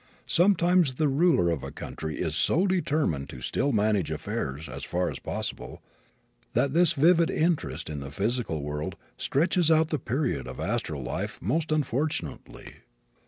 Sometimes the ruler of a country is so determined to still manage affairs, as far as possible, that this vivid interest in the physical world stretches out the period of astral life most unfortunately.